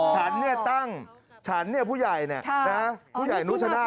ฉันเนี่ยตั้งฉันเนี่ยผู้ใหญ่เนี่ยผู้ใหญ่นุชนาศเนี่ย